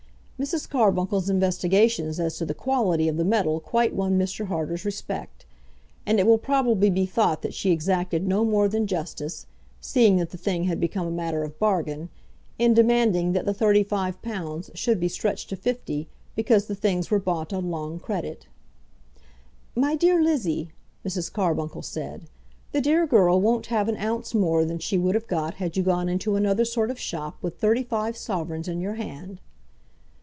Mrs. Carbuncle's investigations as to the quality of the metal quite won Mr. Harter's respect; and it will probably be thought that she exacted no more than justice, seeing that the thing had become a matter of bargain, in demanding that the thirty five pounds should be stretched to fifty, because the things were bought on long credit. "My dear Lizzie," Mrs. Carbuncle said, "the dear girl won't have an ounce more than she would have got, had you gone into another sort of shop with thirty five sovereigns in your hand."